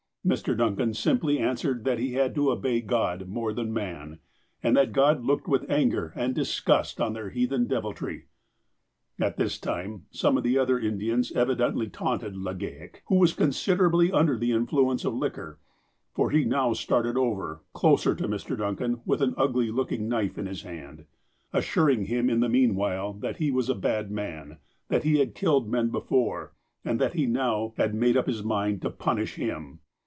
Mr. Duncan simply answered that he had to obey God more than man, and that God looked with anger and disgust on their heathen deviltry. At this time, some of the other Indians evidently taunted Legale, who was considerably under the influence of liquor, for he now started over, closer to Mr. Duncan, with an ugly looking knife in his hand, assuring him in the meanwhile that he was a bad man, that he had killed men before, and that he now had made up his mind to "punish" him.